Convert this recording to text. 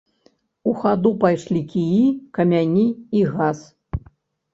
У хаду пайшлі кіі, камяні і газ.